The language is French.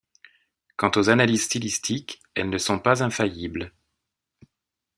Quant aux analyses stylistiques elles ne sont pas infaillibles.